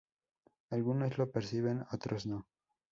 Algunos lo perciben, otros no.